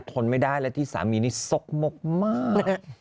ทนไม่ได้แล้วที่สามีนี่ซกมาก